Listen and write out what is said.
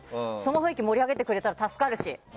雰囲気盛り上げてくれたら助かるし。